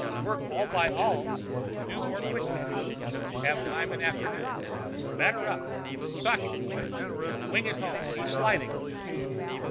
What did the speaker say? Work all by all, do more quick. Have time in afternoon. Batter up! Sock it, boy! Wing it home, he sliding!"